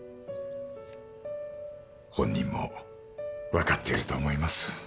本人も分かっていると思います